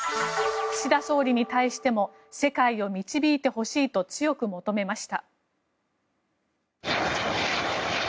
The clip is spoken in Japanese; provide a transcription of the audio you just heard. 岸田総理に対しても世界を導いてほしいと強く求めました。